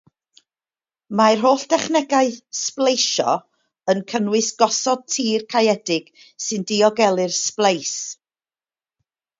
Mae'r holl dechnegau sbleisio o yn cynnwys gosod tir caeedig sy'n diogelu'r sbleis.